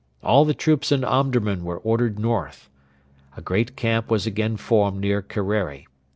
All the troops in Omdurman were ordered north. A great camp was again formed near Kerreri.